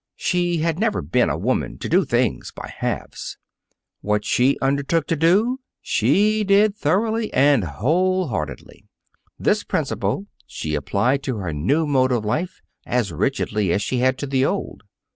She had never been a woman to do things by halves. What she undertook to do she did thoroughly and whole heartedly. This principle she applied to her new mode of life as rigidly as she had to the old.